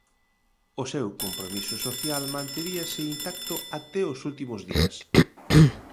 O seu compromiso social manteríase intacto até os últimos días.